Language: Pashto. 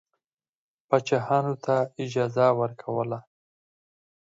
پاچاهانو ته اجازه ورکوله.